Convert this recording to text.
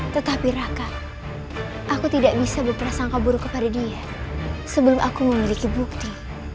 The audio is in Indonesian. tetapi raka aku tidak bisa berprasangka buruk kepada dia sebelum aku memiliki bukti